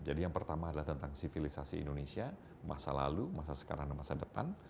jadi yang pertama adalah tentang sivilisasi indonesia masa lalu masa sekarang dan masa depan